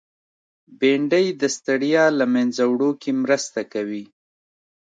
بېنډۍ د ستړیا له منځه وړو کې مرسته کوي